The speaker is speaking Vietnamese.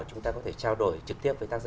chúng ta có thể trao đổi trực tiếp với tác giả